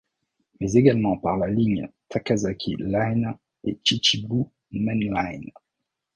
Mais également par la ligne Takasaki Line et Chichibu Main Line.